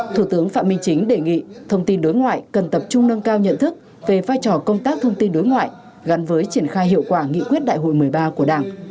thủ tướng phạm minh chính đề nghị thông tin đối ngoại cần tập trung nâng cao nhận thức về vai trò công tác thông tin đối ngoại gắn với triển khai hiệu quả nghị quyết đại hội một mươi ba của đảng